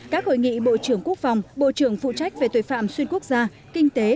các hội nghị bộ trưởng quốc phòng bộ trưởng phụ trách về tội phạm xuyên quốc gia kinh tế